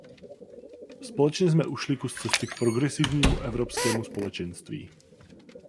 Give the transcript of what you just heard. Společně jsme ušli kus cesty k progresivnímu Evropskému společenství.